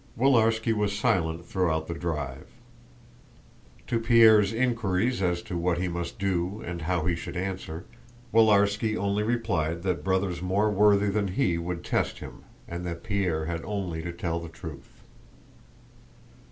Willarski was silent throughout the drive. To Pierre's inquiries as to what he must do and how he should answer, Willarski only replied that brothers more worthy than he would test him and that Pierre had only to tell the truth.